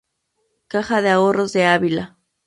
Caja de Ahorros de Ávila.